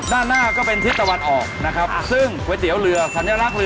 ด้านหน้าก็เป็นทิศตะวันออกนะครับซึ่งก๋วยเตี๋ยวเรือสัญลักษณ์เรือ